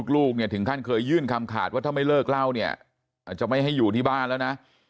ลูกเนี่ยถึงขั้นเคยยื่นคำขาดว่าถ้าไม่เลิกเล่าเนี่ยอาจจะไม่ให้อยู่ที่บ้านแล้วนะ